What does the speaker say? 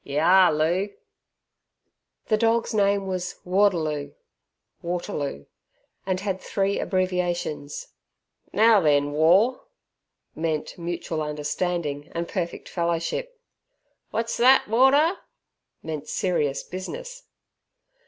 Yer are, Loo!" The dog's name was "Warderloo" (Waterloo) and had three abbreviations. "Now then, War!" meant mutual understanding and perfect fellowship. "What's thet, Warder?" meant serious business.